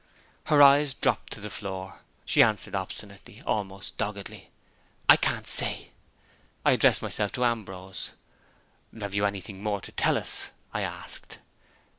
Her eyes dropped to the floor. She answered obstinately, almost doggedly, "I can't say." I addressed myself to Ambrose. "Have you anything more to tell us?" I asked.